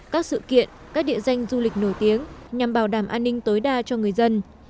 các sự kiện các địa danh du lịch nổi tiếng nhằm bảo đảm an ninh tối đa cho người dân